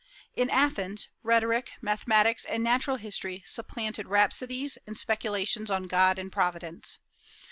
In Athens, rhetoric, mathematics, and natural history supplanted rhapsodies and speculations on God and Providence.